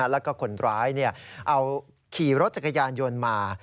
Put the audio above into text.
แล้วก็คนร้ายเอาขี่รถจักรยานยนต์มา